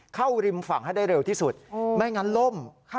ริมฝั่งให้ได้เร็วที่สุดไม่งั้นล่ม